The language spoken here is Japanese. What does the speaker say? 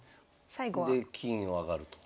で金を上がると。